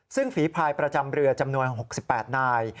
ซึ่งฝีภายประจำเรือจำนวน๖๘นาย